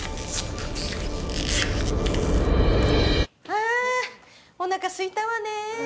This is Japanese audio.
あおなかすいたわね。